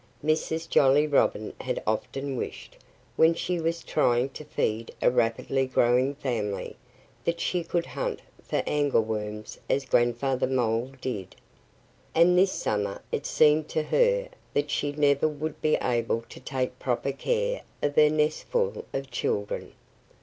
Mrs. Jolly Robin had often wished when she was trying to feed a rapidly growing family that she could hunt for angleworms as Grandfather Mole did. And this summer it seemed to her that she never would be able to take proper care of her nestful of children.